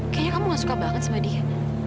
kayaknya kamu gak suka banget sama dia